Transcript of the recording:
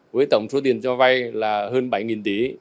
với tổng số tiền cho vay là hơn bảy tỷ